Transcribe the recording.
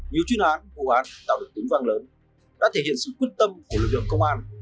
nhiều chuyên án vụ án tạo được tính vang lớn đã thể hiện sự quyết tâm của lực lượng công an